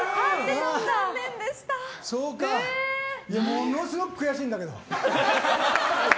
ものすごく悔しいんだけど。